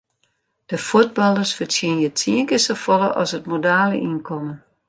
Dy fuotballers fertsjinje tsien kear safolle as it modale ynkommen.